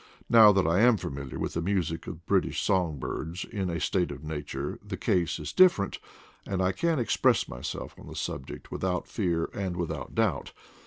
Now that I am familiar with the music of British song birds in a state of nature the case is different, and I can express myself on the subject without fear and without doubt.